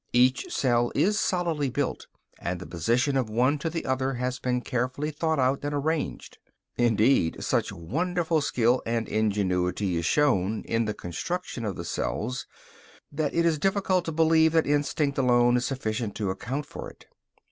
Each cell is solidly built, and the position of one to the other has been carefully thought out and arranged. Indeed, such wonderful skill and ingenuity is shown in the construction of the cells that it is difficult to believe that instinct alone is sufficient to account for it.